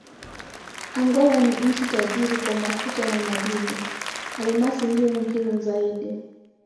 Angola ni nchi tajiri kwa mafuta na madini: almasi ndiyo muhimu zaidi.